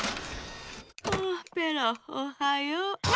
あペロおはよう。